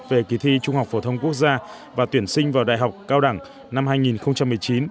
phổ thông quốc gia và tuyển sinh vào đại học cao đẳng năm hai nghìn một mươi chín